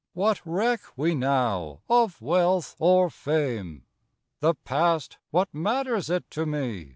What reck we now of wealth or fame? The past what matters it to me?